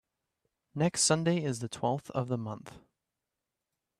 Next Sunday is the twelfth of the month.